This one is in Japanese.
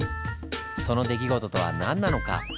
その出来事とは何なのか？